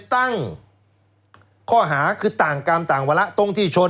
ตั้งข้อหาคือต่างกรรมต่างวาระตรงที่ชน